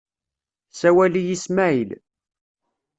Sawal-iyi Smaεil.